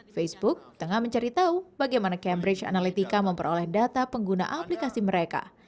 facebook tengah mencari tahu bagaimana cambridge analytica memperoleh data pengguna aplikasi mereka